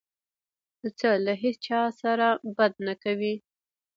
پسه له هیڅ چا سره بد نه کوي.